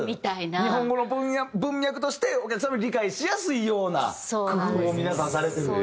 日本語の文脈としてお客様に理解しやすいような工夫を皆さんされてる。